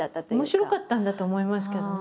面白かったんだと思いますけどね。